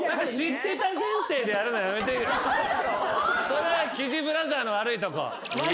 それはキジブラザーの悪いとこ。